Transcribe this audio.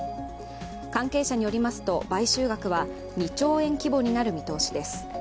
関係者によりますと、買収額は２兆円規模になる見通しです。